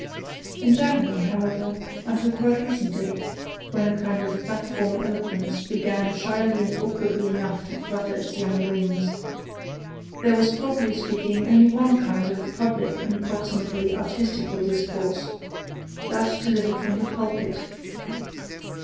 In Germany, however (until quite recently when a kind of platform eloquence began shyly and awkwardly enough to flutter its young wings), there was properly speaking only one kind of public and APPROXIMATELY artistical discourse that delivered from the pulpit.